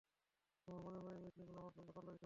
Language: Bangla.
তোমার মনে হয় এই মেশিনগুলো আমার সঙ্গে পাল্লা দিতে পারবে?